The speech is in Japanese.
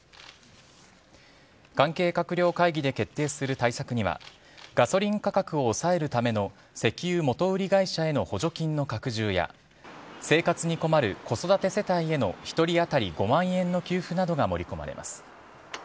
関係閣僚会議で決定する対策には、ガソリン価格を抑えるための石油元売り会社への補助金の拡充や、生活に困る子育て世帯への１人当たり５万円の給付などが盛り込まれます。